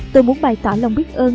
tôi muốn bày tỏ lòng biết ơn